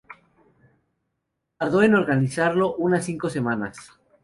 Tardó en organizarlo unas cinco semanas.